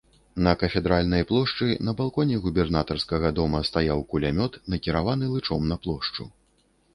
На кафедральнай плошчы, на балконе губернатарскага дома стаяў кулямёт, накіраваны лычом на плошчу.